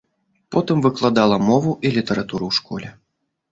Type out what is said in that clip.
Потым выкладала мову і літаратуру ў школе.